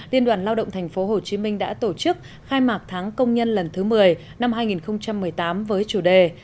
liên đoàn lao động tp hcm đã tổ chức khai mạc tháng công nhân lần thứ một mươi năm hai nghìn một mươi tám với chủ đề